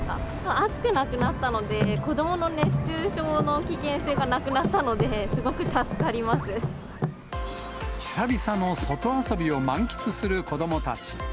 暑くなくなったので、子どもの熱中症の危険性がなくなったので、久々の外遊びを満喫する子どもたち。